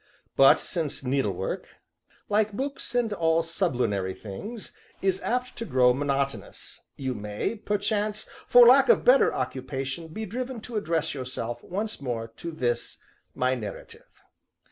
But since needlework (like books and all sublunary things) is apt to grow monotonous, you may, perchance, for lack of better occupation, be driven to address yourself, once more, to this, my Narrative.